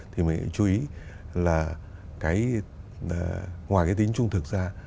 thì mình hãy chú ý là ngoài cái tính trung thực ra